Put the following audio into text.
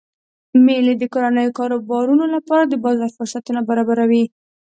میلې د کورنیو کاروبارونو لپاره د بازار فرصتونه برابروي.